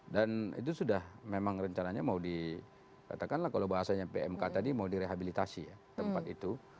dan itu sudah memang rencananya mau dikatakan lah kalau bahasanya pmk tadi mau direhabilitasi tempat itu